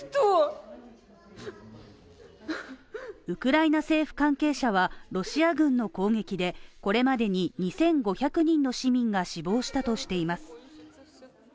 ウクライナ政府関係者は、ロシア軍の攻撃でこれまでに２５００人の市民が死亡したとしています。